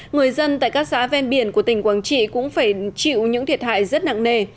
người dân tại các xã ven biển của tỉnh quảng trị cũng phải chịu những thiệt hại rất nặng nề